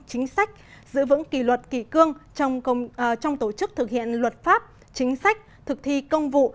chính sách giữ vững kỳ luật kỳ cương trong tổ chức thực hiện luật pháp chính sách thực thi công vụ